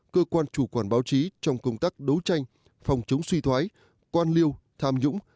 cơ quan chủ quản báo chí trong công tác đấu tranh phòng chống suy thoái quan liêu tham nhũng